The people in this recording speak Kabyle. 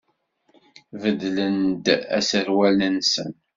Beddlen-d aserwal-nsen?